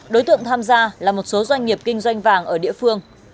đối tượng tham gia là một số doanh nghiệp kinh doanh vàng ở địa phương